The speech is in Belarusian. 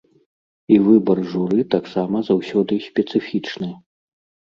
І выбар журы таксама заўсёды спецыфічны.